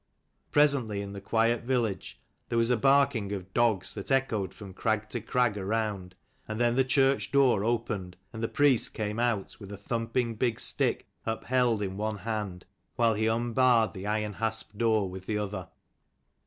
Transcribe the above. Presently in the quiet village there was a barking of dogs that echoed from crag to crag around: and then the church door opened, and the priest came out with a thumping big stick upheld in one hand, while he unbarred the iron hasped door with the other.